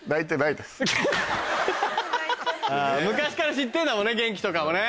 昔から知ってんだもんね元輝とかもね。